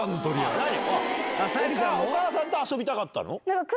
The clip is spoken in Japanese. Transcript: お母さんと遊びたかったの？